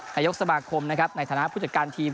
นายกสมาคมนะครับในฐานะผู้จัดการทีม